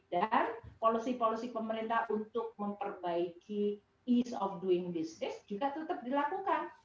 dan polusi polusi pemerintah untuk memperbaiki ease of doing business juga tetap dilakukan